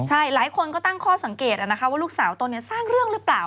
ใช่หลายคนก็ตั้งข้อสังเกตว่าลูกสาวตนสร้างเรื่องหรือเปล่า